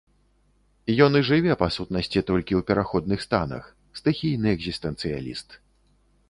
Ён і жыве па сутнасці толькі ў пераходных станах, стыхійны экзістэнцыяліст.